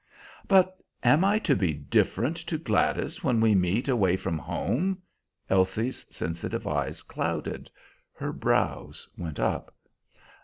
"But am I to be different to Gladys when we meet away from home?" Elsie's sensitive eyes clouded. Her brows went up.